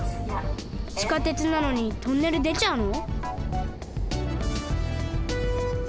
地下鉄なのにトンネルでちゃうの？